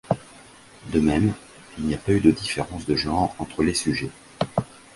De même, il n’y a pas eu de différence de genre entre les sujets.